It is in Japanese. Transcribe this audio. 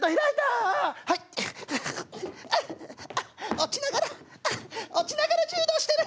落ちながら落ちながら柔道してる。